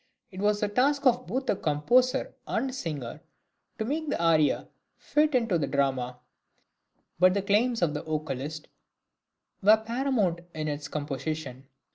It was the task of both composer and singer to make the aria fit in to the drama; but the claims of the vocalist were paramount in its composition.